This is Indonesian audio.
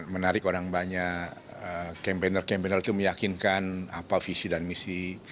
menarik orang banyak campaigner kampanye itu meyakinkan apa visi dan misi